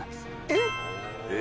えっ！